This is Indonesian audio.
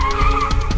ya udah aku nelfon